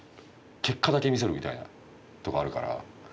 結果だけ見せるみたいなとこあるから。